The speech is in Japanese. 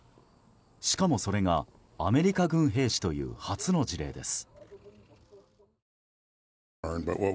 しかも、それがアメリカ軍兵士という初の事例です。